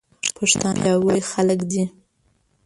پښتانه پياوړي خلک دي.